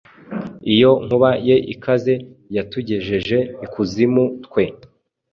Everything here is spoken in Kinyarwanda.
Iyo nkuba ye ikaze yatugejeje ikuzimu twee